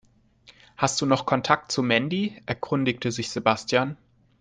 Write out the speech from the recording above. "Hast du noch Kontakt zu Mandy?", erkundigte sich Sebastian.